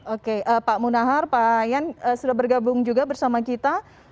oke pak munahar pak yan sudah bergabung juga bersama kita